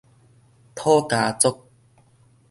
土家族